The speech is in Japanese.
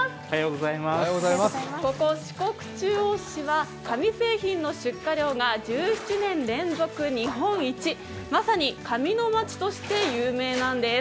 ここ四国中央市は紙製品の出荷量が１７年連続日本一、まさに紙のまちとして有名なんです。